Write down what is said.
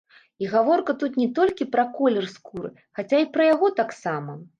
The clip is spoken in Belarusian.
І гаворка тут не толькі пра колер скуры, хаця і пра яго таксама.